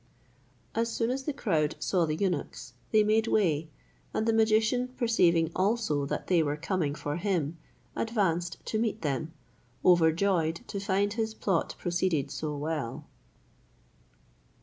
As soon as the crowd saw the eunuchs, they made way, and the magician perceiving also that they were coming for him, advanced to meet them, overjoyed to find his plot proceeded so well.